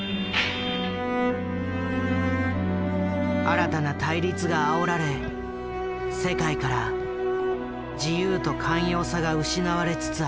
新たな対立があおられ世界から自由と寛容さが失われつつある。